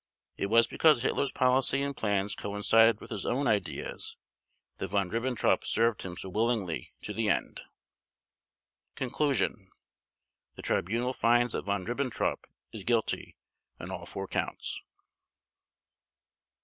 It was because Hitler's policy and plans coincided with his own ideas that Von Ribbentrop served him so willingly to the end. Conclusion The Tribunal finds that Von Ribbentrop is guilty on all four Counts.